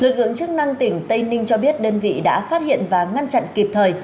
lực lượng chức năng tỉnh tây ninh cho biết đơn vị đã phát hiện và ngăn chặn kịp thời